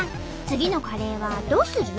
次のカレーはどうする？